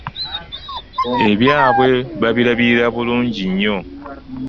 Ebyabwe babirabirira bulungi nyo ..